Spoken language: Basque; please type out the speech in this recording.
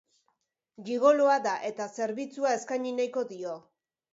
Gigoloa da, eta zerbitzua eskaini nahiko dio.